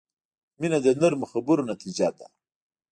• مینه د نرمو خبرو نتیجه ده.